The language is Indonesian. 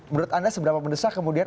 menurut anda seberapa mendesak kemudian